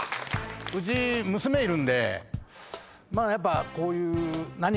うち娘いるんでやっぱこういう何かやる。